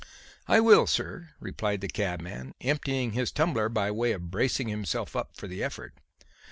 "I will, sir," replied the cabman, emptying his tumbler by way of bracing himself up for the effort.